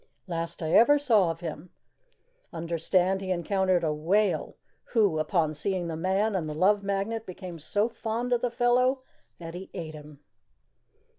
Last I ever saw of him. Understand he encountered a whale, who, upon seeing the man and the Love Magnet, became so fond of the fellow that he ate him."